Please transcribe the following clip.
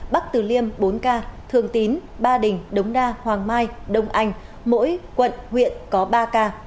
bắc từ liêm bốn ca thường tín ba đình đống đa hoàng mai đông anh mỗi quận huyện có ba ca